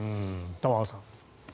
玉川さん。